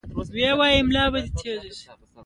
دغه سفر خامخا یو خطرناک کار وو.